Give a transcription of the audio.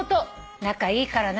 仲いいからな」